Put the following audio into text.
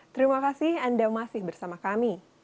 terima kasih anda masih bersama kami